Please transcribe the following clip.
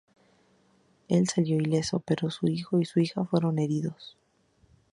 Él salió ileso, pero su hijo y su hija fueron heridos.